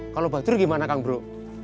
kalau batur gimana kang bro